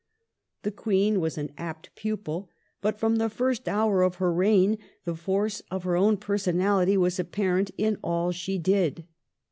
The Queen was an apt pupil, but from the first hour of her reign the force of her own personality was appai ent in all she did.